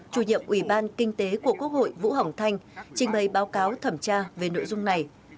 chủ nhiệm ủy ban kinh tế của quốc hội vũ hồng thanh trình bày báo cáo thẩm tra về nội dung này